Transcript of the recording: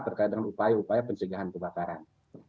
terkait dengan upaya upaya pencegahan kebakaran